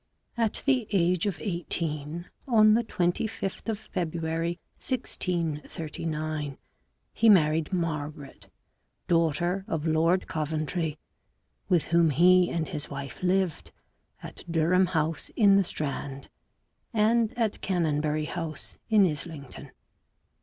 At the age of eighteen, on the 25th of February 1639, h e married Margaret, daughter of Lord Coventry, with whom he and his wife lived at Durham House in the Strand, and at Canonbury House in Islington.